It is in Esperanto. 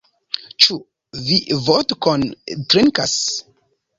Ĉu vi vodkon drinkas?